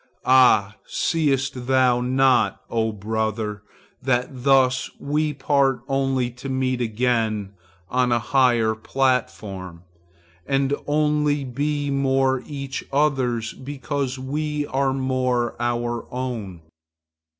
Ah! seest thou not, O brother, that thus we part only to meet again on a higher platform, and only be more each other's because we are more our own?